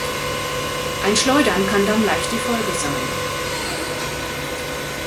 Ein Schleudern kann dann leicht die Folge sein.